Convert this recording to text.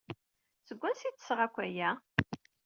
Seg wansi ay d-tesɣa akk aya?